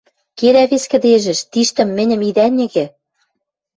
Кедӓ вес кӹдежӹш, тиштӹ мӹньӹм идӓ ньӹгӹ!